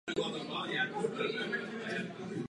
Toto je základní funkce motorické činnosti.